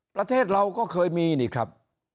ประเทศเราก็เคยมีนี่ครับ